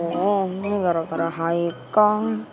aduh ini gara gara haikal